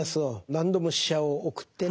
何度も使者を送ってね